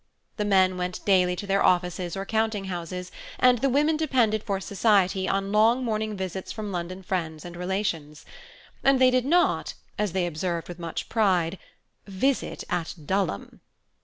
The men went daily to their offices or counting houses, and the women depended for society on long morning visits from London friends and relations; and they did not, as they observed with much pride, "visit at Dulham."